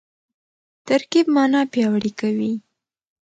ترکیب مانا پیاوړې کوي.